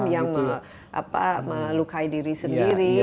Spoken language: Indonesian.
yang melukai diri sendiri